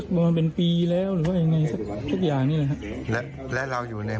มันเป็นปีแล้วหรือว่ายังไงสักทุกอย่างนี่แหละครับและและเราอยู่ใน